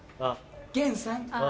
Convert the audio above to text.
源さん。